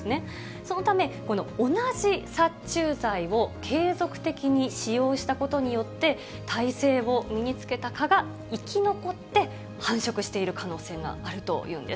そのため、同じ殺虫剤を継続的に使用したことによって、耐性を身につけた蚊が生き残って、繁殖している可能性があるというんです。